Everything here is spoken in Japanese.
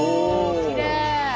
きれい！